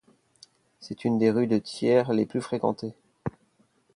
C'est une des rues de Thiers les plus fréquentées.